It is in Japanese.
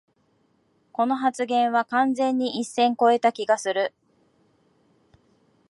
この発言は完全に一線こえた気がする